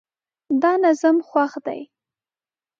دا نظم خوښ دی